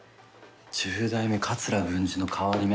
十代目桂文治の『替り目』